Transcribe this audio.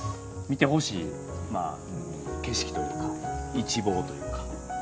見てほしい景色というか一望というか。